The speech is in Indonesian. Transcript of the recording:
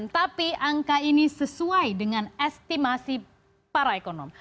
tapi angka ini sesuai dengan estimasi para ekonom